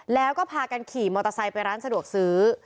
แล้วก็พากันขี่มอเตอร์ไซค์ไปร้านสะดวกซื้อ